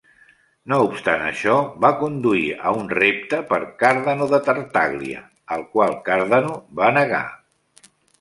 No obstant això, va conduir a un repte per Cardano de Tartaglia, el qual Cardano va negar.